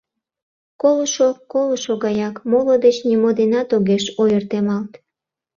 Колышо колышо гаяк, моло деч нимо денат огеш ойыртемалт.